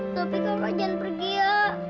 tapi kakak jangan pergi ya